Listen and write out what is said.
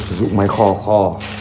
sử dụng máy kho kho